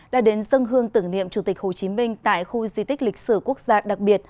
đã đến dân hương tưởng niệm chủ tịch hồ chí minh tại khu di tích lịch sử quốc gia đặc biệt